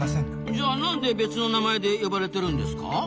じゃあなんで別の名前で呼ばれてるんですか？